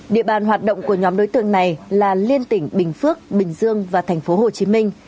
địa bàn hoạt động của nhóm đối tượng này là liên tỉnh bình phước bình dương và thành phố hồ chí minh